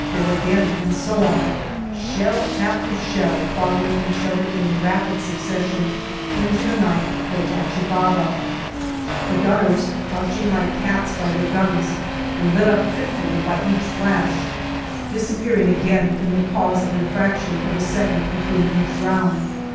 4 again, and so on, shell after shell following each other in rapid succession into the night, towards Achi Baba. The 64 GALLIPOLI JDIARY gunners, crouching like cats by their guns, were lit up fitfully by each flash, disappearing again in the pause of a fraction of a second between each round.